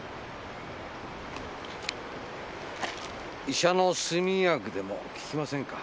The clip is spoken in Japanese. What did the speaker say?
医者の睡眠薬でも効きませんか。